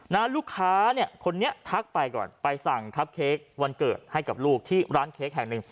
ลูกค้าเนี่ยคนนี้ทักไปก่อนไปสั่งครับเค้กวันเกิดให้กับลูกที่ร้านเค้กแห่งหนึ่ง